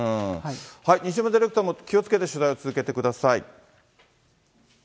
西村ディレクターも気をつけて取材を続けてください。